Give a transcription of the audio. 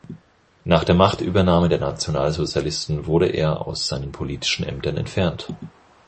Nach der Machtübernahme der Nationalsozialisten wurde er aus seinen politischen Ämtern entfernt.